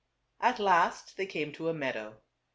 At last they came to a meadow.